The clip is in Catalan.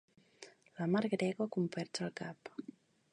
La mar grega quan perds el cap.